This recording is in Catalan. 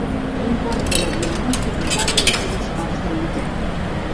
Un pont per a vianants connectava les dues parts de l'hotel.